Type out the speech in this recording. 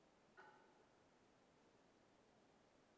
家人将其葬在马乡官路西沿。